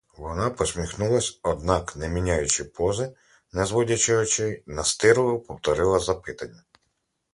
Вона посміхнулась, однак, не міняючи пози, не зводячи очей, настирливо повторила запитання.